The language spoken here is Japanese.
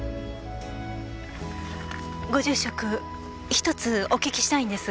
ご住職１つお聞きしたいんですが。